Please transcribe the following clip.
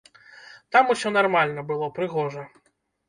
Там усё нармальна было, прыгожа.